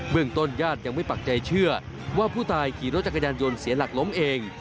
เมืองต้นญาติยังไม่ปักใจเชื่อว่าผู้ตายขี่รถจักรยานยนต์เสียหลักล้มเอง